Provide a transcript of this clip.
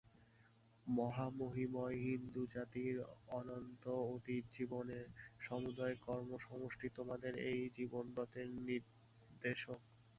মহামহিমময় হিন্দুজাতির অনন্ত অতীত জীবনের সমুদয় কর্মসমষ্টি তোমাদের এই জীবনব্রতের নির্দেশক।